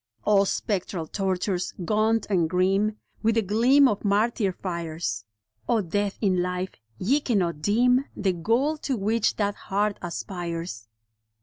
O spectral tortures, gaunt and grim With the gleam of martyr fires — O death in life, ye cannot dim The goal to which that heart aspires.